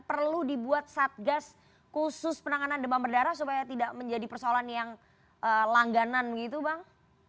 perlu dibuat satgas khusus penanganan demam berdarah supaya tidak menjadi persoalan yang langganan begitu bang